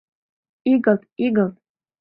Игылт, игылт!